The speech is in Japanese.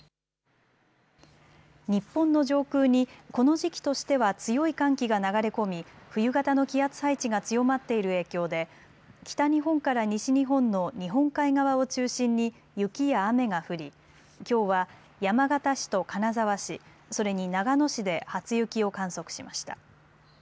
日本の上空にこの時期としては強い寒気が流れ込み冬型の気圧配置が強まっている影響で北日本から西日本の日本海側を中心に雪や雨が降りきょうは山形市と金沢市、それに長野市で初雪を観測しました。